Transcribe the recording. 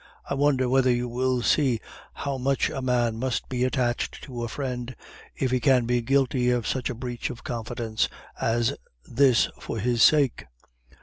I wonder whether you will see how much a man must be attached to a friend if he can be guilty of such a breach of confidence as this for his sake.